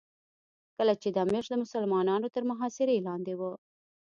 کله چې دمشق د مسلمانانو تر محاصرې لاندې و.